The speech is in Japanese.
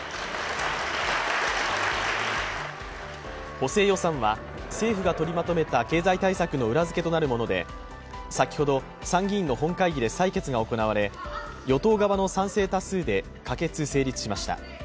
補正予算は、政府が取りまとめた経済対策の裏付けとなるもので先ほど、参議院の本会議で採決が行われ与党側の賛成多数で可決・成立しました。